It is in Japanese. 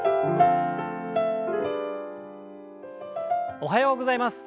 おはようございます。